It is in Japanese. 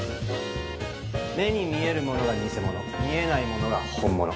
目に見えるものが偽物見えないものが本物。